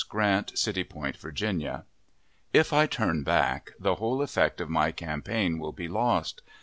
GRANT, City Point, Virginia: If I turn back, the whole effect of my campaign will be lost.